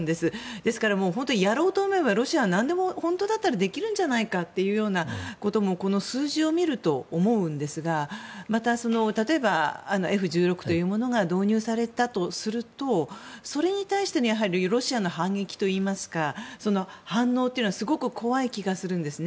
ですから、本当にやろうと思えばロシアは本当は何でもできるんじゃないかということもこの数字を見ると思うんですがまた、例えばＦ１６というものが導入されたとするとそれに対してのロシアの反撃というか反応というのはすごく怖い気がするんですね。